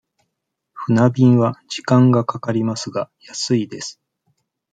船便は時間がかかりますが、安いです。